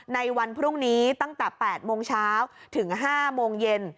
ในวันพรุ่งนี้ตั้งแต่๘โมงเช้าถึง๕โมงเย็น